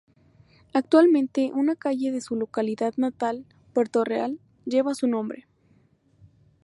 Actualmente, una calle de su localidad natal, Puerto Real, lleva su nombre.